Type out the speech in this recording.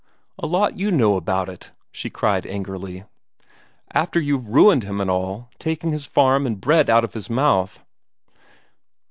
"A lot you know about it!" she cried angrily. "After you've ruined him and all, taking his farm and the bread out of his mouth."